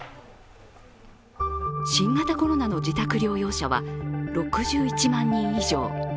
新型コロナの自宅療養者は６１万人以上。